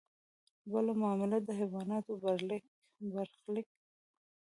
بله معامله د حیواناتو برخلیک و.